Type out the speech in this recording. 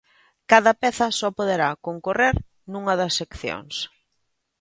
Cada peza só poderá concorrer nunha das seccións.